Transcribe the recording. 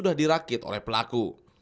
sudah dirakit oleh pelaku